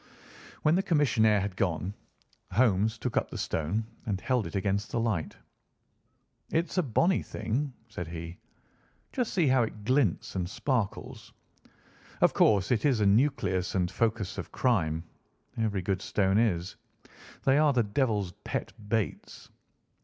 When the commissionaire had gone, Holmes took up the stone and held it against the light. "It's a bonny thing," said he. "Just see how it glints and sparkles. Of course it is a nucleus and focus of crime. Every good stone is. They are the devil's pet baits.